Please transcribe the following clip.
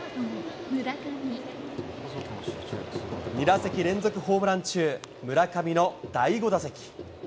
２打席連続ホームラン中、村上の第５打席。